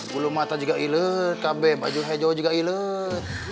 bulu mata juga ilet kabe baju hijau juga ilet